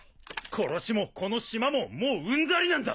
殺しもこの島ももううんざりなんだ。